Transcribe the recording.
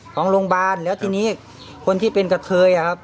ของโรงพยาบาลแล้วทีนี้คนที่เป็นกะเทยอะครับ